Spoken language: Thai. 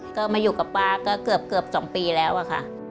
ก็มาอยู่กับป้าก็เกือบ๒ปีแล้วอะค่ะ